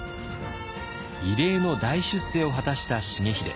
異例の大出世を果たした重秀。